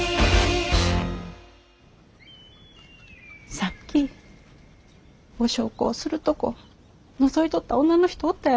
さっきお焼香するとこのぞいとった女の人おったやろ。